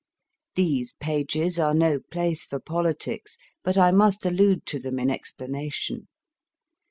These pages are no place for politics, but I must allude to them in explanation.